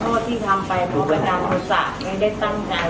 ขอโทษที่ทำไปเพราะกระจำคุณศาสตร์ไม่ได้ตั้งใจ